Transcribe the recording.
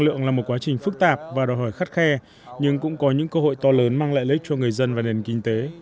nó là một quá trình phức tạp và đòi hỏi khắt khe nhưng cũng có những cơ hội to lớn mang lợi lệch cho người dân và nền kinh tế